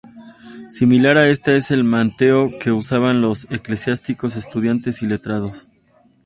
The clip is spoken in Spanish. Similar a esta es el manteo que usaban los eclesiásticos, estudiantes y letrados.